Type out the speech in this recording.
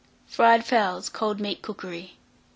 FRIED FOWLS (Cold Meat Cookery).